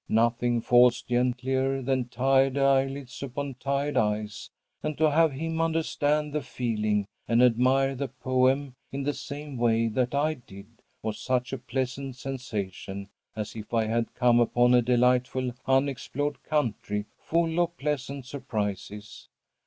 Nothing falls gentlier than tired eyelids upon tired eyes, and to have him understand the feeling and admire the poem in the same way that I did, was such a pleasant sensation, as if I had come upon a delightful unexplored country, full of pleasant surprises.